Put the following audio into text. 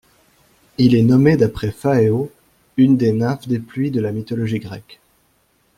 Il est nommé d'après Phaéo, une des nymphes des pluies de la mythologie grecque.